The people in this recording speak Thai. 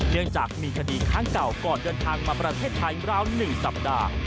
เนื่องจากมีคดีครั้งเก่าก่อนเดินทางมาประเทศไทยราว๑สัปดาห์